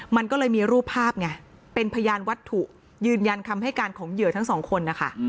มันก็เลยมีรูปภาพไงเป็นพยานวัตถุยืนยันคำให้การของเหยื่อทั้งสองคนนะคะ